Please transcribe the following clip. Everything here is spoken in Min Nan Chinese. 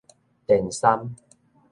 電杉